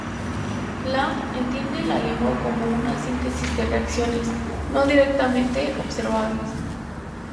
Lamb entiende la lengua como una síntesis de reacciones, no directamente observables.